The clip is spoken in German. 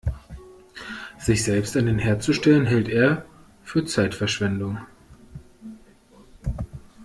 Sich selbst an den Herd zu stellen, hält er für Zeitverschwendung.